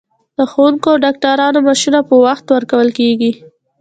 د ښوونکو او ډاکټرانو معاشونه په وخت ورکول کیږي.